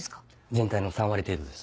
全体の３割程度です。